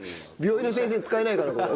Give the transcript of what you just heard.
病院の先生使えないかな？